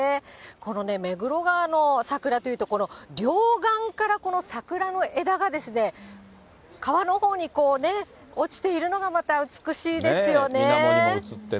このね、目黒川の桜というところ、両岸からこの桜の枝が、川のほうに落ちているのがまた美しいですよね。